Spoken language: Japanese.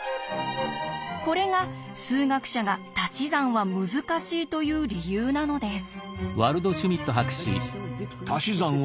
これが数学者が「たし算は難しい」と言う理由なのです。